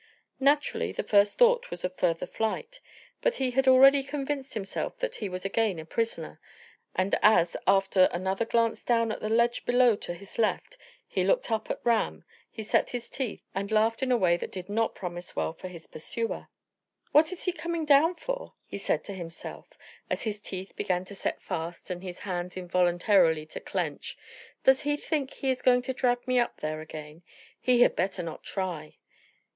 Naturally, the first thought was of further flight, but he had already convinced himself that he was again a prisoner, and as, after another glance down at the ledge below to his left, he looked up at Ram, he set his teeth, and laughed in a way that did not promise well for his pursuer. "What is he coming down for?" he said to himself, as his teeth began to set fast and his hands involuntarily to clench. "Does he think he is going to drag me up there again? He had better not try."